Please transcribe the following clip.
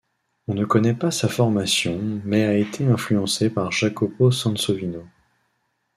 On ne connaît pas sa formation mais a été influencé par Jacopo Sansovino.